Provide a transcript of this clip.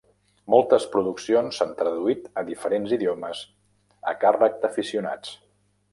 Moltes produccions s'han traduït a diferents idiomes a càrrec d'aficionats.